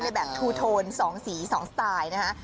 แบบทูโทน๒สี๒สไตล์นะฮะ